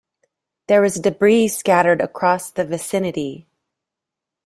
There was debris scattered across the vicinity.